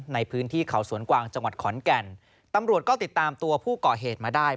ในพื้นที่เขาสวนกวางจังหวัดขอนแก่นตำรวจก็ติดตามตัวผู้ก่อเหตุมาได้